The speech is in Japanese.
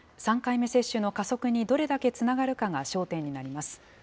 ３回目接種の加速にどれだけつながるかが焦点になります。